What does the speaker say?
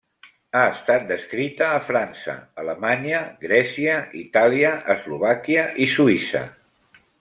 Ha estat descrita a França, Alemanya, Grècia, Itàlia, Eslovàquia i Suïssa.